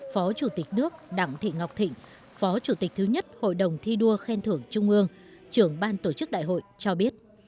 phó chủ tịch nước đặng thị ngọc thịnh phó chủ tịch thứ nhất hội đồng thi đua khen thưởng trung ương trưởng ban tổ chức đại hội cho biết